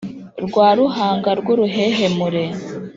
rwa ruhanga rw’ uruhehemure